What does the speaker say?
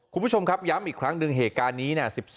คุณผู้ชมครับย้ำอีกครั้งหนึ่งเหตุการณ์นี้เนี่ย